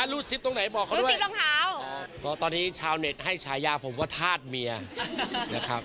รูดซิปตรงไหนบอกเขาด้วยซิบรองเท้าเพราะตอนนี้ชาวเน็ตให้ฉายาผมว่าธาตุเมียนะครับ